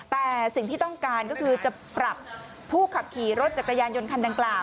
แต่สิ่งที่ต้องการก็คือจะปรับผู้ขับขี่รถจักรยานยนต์คันดังกล่าว